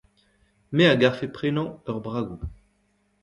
Me a garfe prenañ ur bragoù.